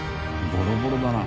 ボロボロだな。